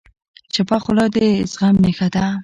چپه خوله، د زغم نښه ده.